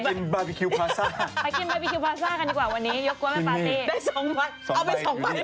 อ่อนะอู้อยากไปกินเหมือนกันเอ้าคุณผู้ชมค่ะ